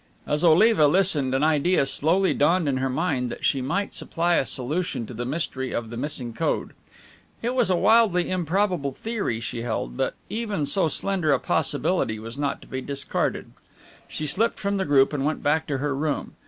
As Oliva listened an idea slowly dawned in her mind that she might supply a solution to the mystery of the missing code. It was a wildly improbable theory she held, but even so slender a possibility was not to be discarded. She slipped from the group and went back to her room.